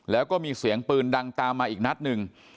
แล้วก็มีเสียงปืนดังตามมาอีกนัดหนึ่ง